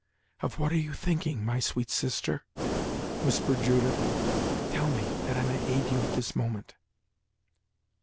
"Of what are you thinking, my sweet sister?" whispered Judith "Tell me, that I may aid you at this moment."